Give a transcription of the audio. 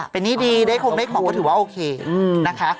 เป็นหนี้ดีได้คงได้ของก็ถือว่าโอเคนะคะ